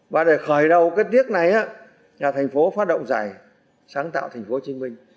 và để khởi đầu cái tiếc này nhà thành phố phát động giải sáng tạo thành phố hồ chí minh